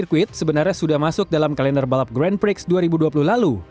sirkuit sebenarnya sudah masuk dalam kalender balap grand prix dua ribu dua puluh lalu